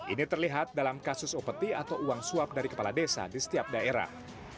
ini terlihat dalam kasus opeti atau uang suap dari kepala desa di setiap daerah